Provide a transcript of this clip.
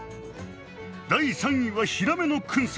第３位はヒラメの燻製。